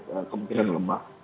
sangat kemungkinan lemah